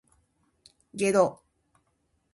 げろ